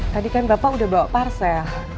tadi kan bapak udah bawa parsel